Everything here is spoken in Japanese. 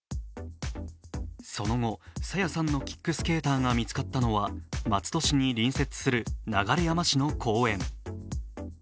その後、朝芽さんのキックスケーターが見つかったのは松戸市に隣接する流山市の公園。